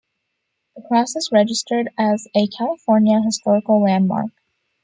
The cross is registered as a California Historical Landmark.